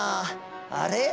あれ？